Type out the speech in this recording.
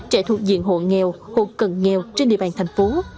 trẻ thuộc diện hộ nghèo hộ cần nghèo trên địa bàn thành phố